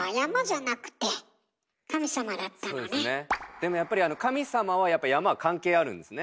でもやっぱり神様はやっぱり山は関係あるんですね。